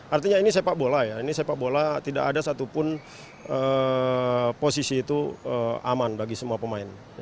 artinya ini sepak bola ya ini sepak bola tidak ada satupun posisi itu aman bagi semua pemain